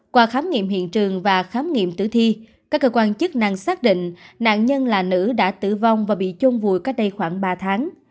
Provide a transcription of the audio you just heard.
qua khám nghiệm hiện trường và khám nghiệm tử thi các cơ quan chức năng xác định nạn nhân là nữ đã tử vong và bị chôn vùi cách đây khoảng ba tháng